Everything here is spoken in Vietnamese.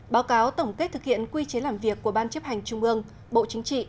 báo cáo tổng kết thực hiện quy chế làm việc của ban chấp hành trung ương bộ chính trị